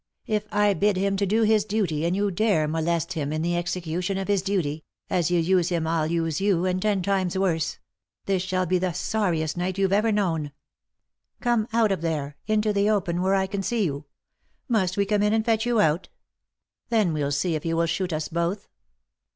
If I bid him do his duty, and you dare molest him in the execution of his duty, as you use him I'll use you, and ten times worse; this shall be the sorriest night you've ever known. Come out of there, into the open where I can see you — must we come in and fetch you out ? Then we'll see if you will shoot us both."